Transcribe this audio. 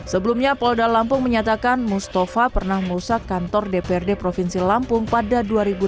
sebelumnya polda lampung menyatakan mustafa pernah merusak kantor dprd provinsi lampung pada dua ribu delapan belas